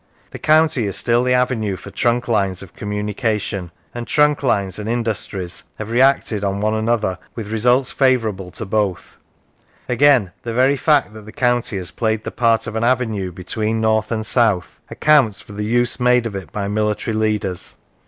The county is still the avenue for trunk lines of communication, and trunk lines arid industries have reacted on one another with results favourable to both. Again, the very fact that the county has played the part of an avenue between north and south accounts 22 Beauty Spots of Industrial Districts for the use made of it by military leaders.